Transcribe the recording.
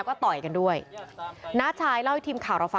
เขาสิขอของฉันเป็นคนราน